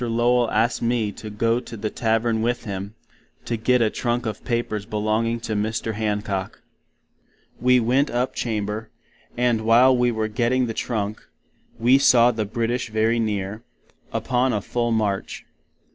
Lowell asked me to go to the Tavern with him, to git a Trunk of papers belonging to Mr. Hancock. We went up Chamber; and while we were giting the Trunk, we saw the British very near, upon a full March.